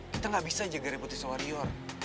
kita gak bisa jaga ribetnya sama wario